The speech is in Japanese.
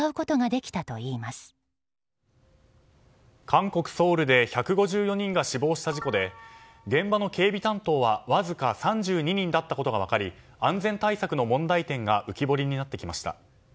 韓国ソウルで１５４人が死亡した事故で現場の警備担当はわずか３２人だったことが分かり安全対策の問題点が浮き彫りになってきました。